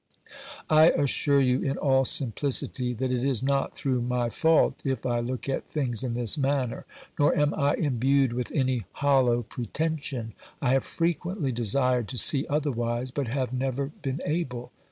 I assure you in all simplicity that it is not through my fault if I look at things in this manner, nor am I imbued with any hollow pretension ; I have frequently desired to see otherwise, but have never been able.